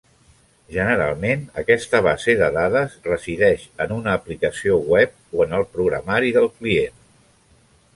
Generalment aquesta base de dades resideix en una aplicació web o en el programari del client.